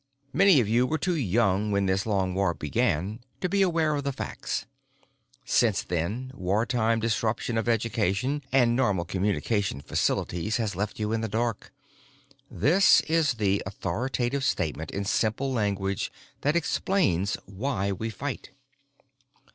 Many of you were too young when this long war began to be aware of the facts. Since then, wartime disruption of education and normal communications facilities has left you in the dark. This is the authoritative statement in simple language that explains why we fight.